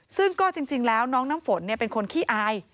ซึ่งก็จริงแล้วน้องน้ำฝนเป็นคนขี้อาย